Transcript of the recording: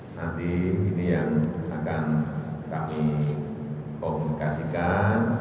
nanti ini yang akan kami komunikasikan